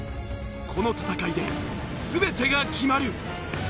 この戦いで全てが決まる！